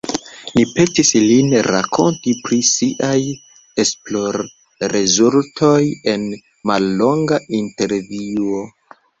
Ni petis lin rakonti pri siaj esplorrezultoj en mallonga intervjuo.